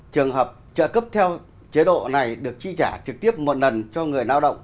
trường hợp trợ cấp theo chế độ này được chi trả trực tiếp một lần cho người lao động